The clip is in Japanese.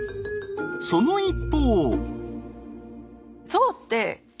その一方。